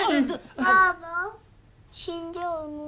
ばあば死んじゃうの？